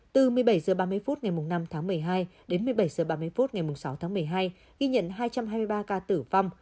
từ một mươi bảy h ba mươi phút ngày năm tháng một mươi hai đến một mươi bảy h ba mươi phút ngày sáu tháng một mươi hai ghi nhận hai trăm hai mươi ba ca tử vong